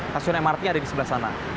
stasiun mrt ada di sebelah sana